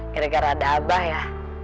kira kira ada abah ya